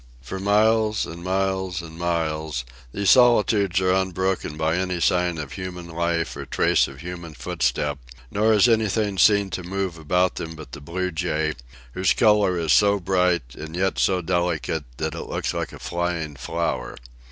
For miles, and miles, and miles, these solitudes are unbroken by any sign of human life or trace of human footstep; nor is anything seen to move about them but the blue jay, whose colour is so bright, and yet so delicate, that it looks like a flying flower.